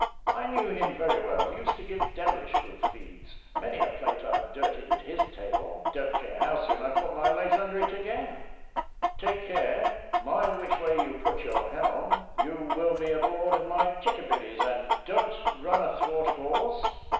I knew him very well used to give devilish good feeds many a plate I've dirtied at his table don't care how soon I put my legs under it again; take care, mind which way you put your helm you will be aboard of my chickabiddies don't run athwart hawse."